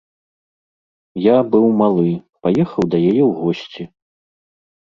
Я быў малы, паехаў да яе ў госці.